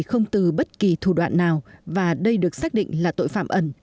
không từ bất kỳ thủ đoạn nào và đây được xác định là tội phạm ẩn